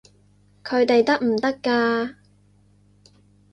佢哋得唔得㗎？